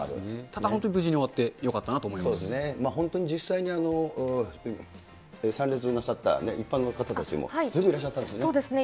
ただ、本当に無事に終わってそうですね、本当に実際に参列なさった一般の方たちも、ずいぶんいらっしゃっそうですね。